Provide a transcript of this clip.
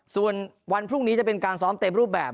ส่วนวันพรุ่งนี้จะเป็นการซ้อมเต็มรูปแบบ